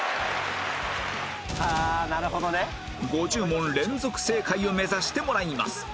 ５０問連続正解を目指してもらいます